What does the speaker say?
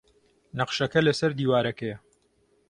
نەخشەکە لەسەر دیوارەکەیە.